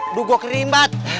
aduh gua kerimbat